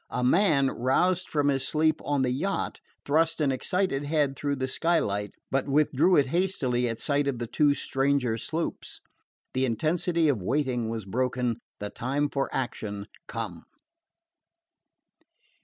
A man, roused from his sleep on the yacht, thrust an excited head through the skylight, but withdrew it hastily at sight of the two stranger sloops. The intensity of waiting was broken, the time for action come.